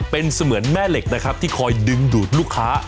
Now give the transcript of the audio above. เป็นเสมือนแม่เหล็กนะครับที่คอยดึงดูดลูกค้า